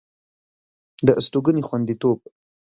د استوګنې خوندیتوب